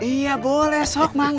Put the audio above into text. iya boleh sok